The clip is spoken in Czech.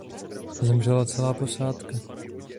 Zemřela celá posádka.